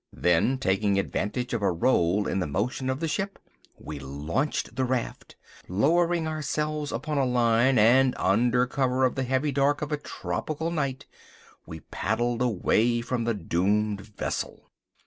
Then taking advantage of a roll in the motion of the ship, we launched the raft, lowered ourselves upon a line, and under cover of the heavy dark of a tropical night, we paddled away from the doomed vessel.